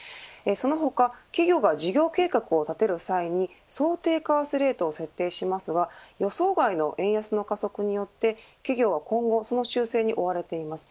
その他、企業が事業計画を立てる際に想定為替レートを設定しますが予想外の円安の加速によって企業は今後その修正に追われています。